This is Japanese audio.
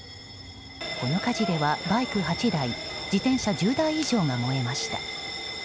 この火事ではバイク８台自転車１０台以上が燃えました。